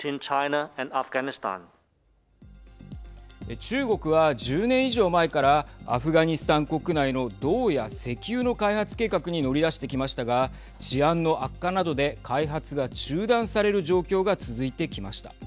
中国は１０年以上前からアフガニスタン国内の銅や石油の開発計画に乗り出してきましたが治安の悪化などで開発が中断される状況が続いてきました。